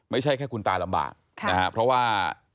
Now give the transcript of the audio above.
ไม่ใช่แค่คุณตารำบากเพราะว่า